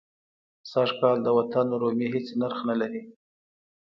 سږ کال د وطن رومي هېڅ نرخ نه لري.